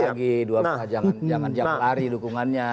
jangan jauh lari dukungannya